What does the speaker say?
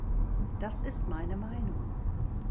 Das ist meine Meinung.